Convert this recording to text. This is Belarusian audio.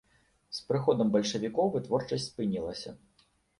З прыходам бальшавікоў вытворчасць спынілася.